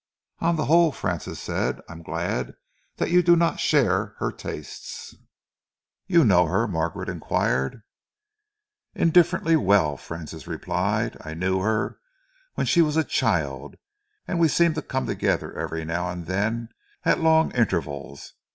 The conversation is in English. "On the whole," Francis said, "I am glad that you do not share her tastes." "You know her?" Margaret enquired. "Indifferently well," Francis replied. "I knew her when she was a child, and we seem to come together every now and then at long intervals.